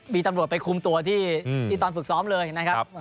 มีตำรวจไปคุมตัวที่ตอนฝึกซ้อมเลยนะครับ